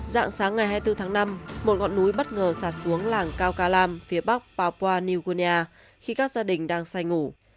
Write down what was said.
dạng sáng ngày hai mươi bốn tháng năm một ngọn núi bất ngờ sạt xuống làng cao ca lam phía bắc papua new guinea khi các gia đình đang say ngủ